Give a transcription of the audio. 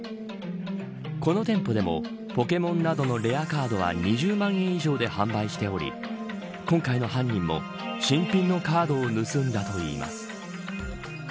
この店舗でもポケモンなどのレアカードは２０万円以上で販売しており今回の犯人も新品のカードを盗んだといいます。